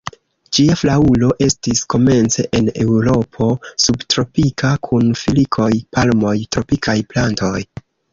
Ĝia flaŭro estis komence en Eŭropo subtropika kun filikoj, palmoj, tropikaj plantoj.